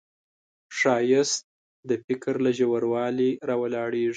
ښایست د فکر له ژوروالي راولاړیږي